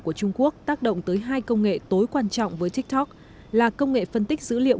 của trung quốc tác động tới hai công nghệ tối quan trọng với tiktok là công nghệ phân tích dữ liệu